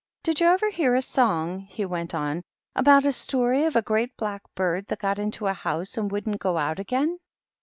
"Did you ever hear a song," he went on, " about a story of a great black bird that got into a house and wouldn't go out again